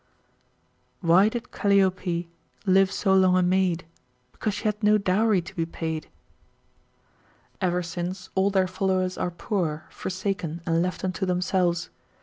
Why did Calliope live so long a maid? Because she had no dowry to be paid. Ever since all their followers are poor, forsaken and left unto themselves.